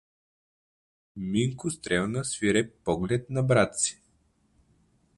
Минко стрелна свиреп поглед на брата си.